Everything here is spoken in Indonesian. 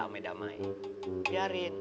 sama damai biarin